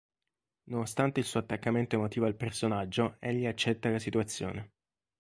Nonostante il suo attaccamento emotivo al personaggio, egli accetta la situazione.